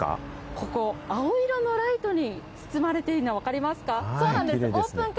ここ、青色のライトに包まれているの、分かりますか。